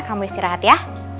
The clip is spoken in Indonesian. kamu istirahat ya